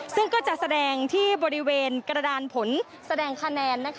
ซึ่งก็จะแสดงที่บริเวณกระดานผลแสดงคะแนน